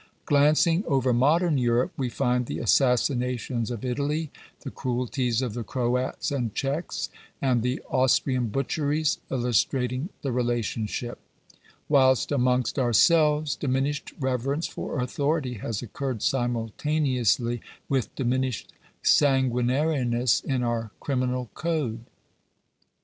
Glancing over modern Europe, we find the assassinations of Italy, the cruelties of the Croats and Czecks, and the Aus trian butcheries, illustrating the relationship. Whilst, amongst Digitized by VjOOQIC 4£2 GENERAL CONSIDERATIONS. ourselves, diminished reverence for authority has occurred simultaneously with diminished sanguinariness in our criminal code.